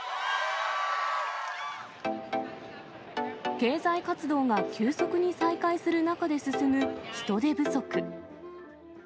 経済活動が急速に再開する中で進む人手不足。